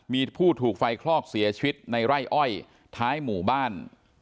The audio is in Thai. มีผู้ถูกไฟคลอกเสียชีวิตในไร่อ้อยท้ายหมู่บ้าน